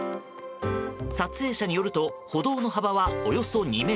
撮影者によると歩道の幅は、およそ２ｍ。